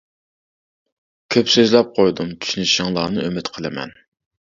كۆپ سۆزلەپ قويدۇم، چۈشىنىشىڭلارنى ئۈمىد قىلىمەن.